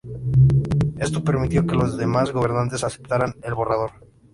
Esto permitió que los demás gobernantes aceptaran el borrador.